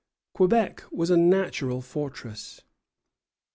Quebec was a natural fortress.